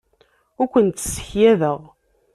Ur kent-ssekyadeɣ.